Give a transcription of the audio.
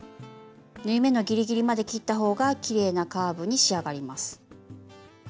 縫い目のギリギリまで切った方がきれいなカーブに仕上がります。